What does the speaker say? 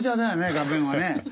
画面はね。